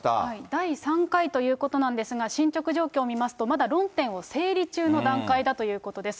第３回ということなんですが、進捗状況見ますと、まだ論点を整理中の段階だということです。